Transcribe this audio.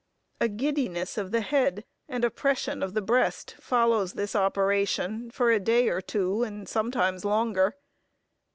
A giddiness of the head, and oppression of the breast, follows this operation, for a day or two, and sometimes longer.